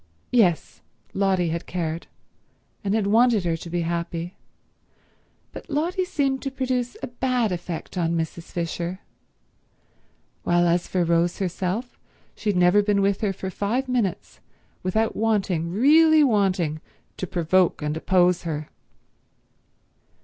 Yes; Lotty had cared, and had wanted her to be happy; but Lotty seemed to produce a bad effect on Mrs. Fisher, while as for Rose herself she had never been with her for five minutes without wanting, really wanting, to provoke and oppose her.